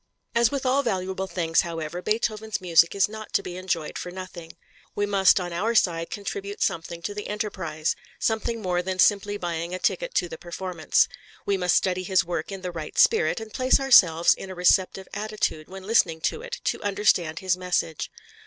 As with all valuable things, however, Beethoven's music is not to be enjoyed for nothing. We must on our side contribute something to the enterprise, something more than simply buying a ticket to the performance. We must study his work in the right spirit, and place ourselves in a receptive attitude when listening to it to understand his message.